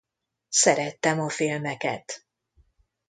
Szerettem a filmeket.